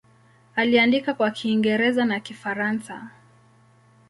Aliandika kwa Kiingereza na Kifaransa.